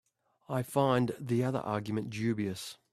I find the other argument dubious.